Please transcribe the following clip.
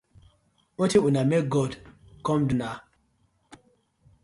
Wetin una wan mek God com do naw?